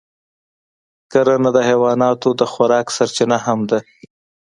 کرنه د حیواناتو د خوراک سرچینه هم ده.